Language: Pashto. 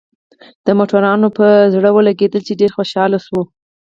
د موټروانانو په زړه ولګېدل، چې ډېر خوشاله شول.